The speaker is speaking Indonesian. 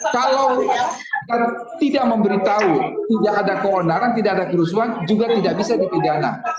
kalau tidak memberitahu tidak ada keonaran tidak ada kerusuhan juga tidak bisa dipidana